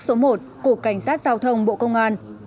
số một của cảnh sát giao thông bộ công an